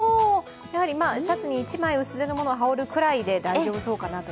そして帰るころも、シャツに１枚、薄手のものを羽織るくらいで大丈夫そうかなと。